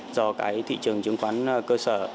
do cái thị trường chứng khoán cơ sở